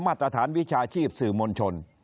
มาตรฐานวิชาชีพสื่อมวลชน